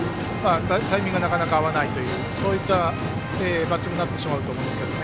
タイミングがなかなか合わないというバッティングになってしまうと思いますね。